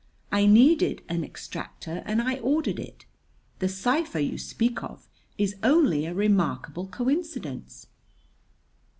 I needed an extractor and I ordered it. The cipher you speak of is only a remarkable coincidence."